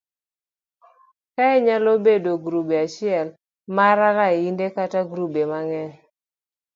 Kae nyalo bedo grup achiel mar lainde kata grube mang'eny